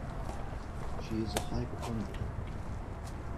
She is a hypochondriac.